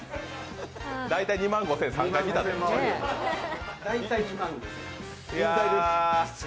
大体２万５０００円、３回見たで。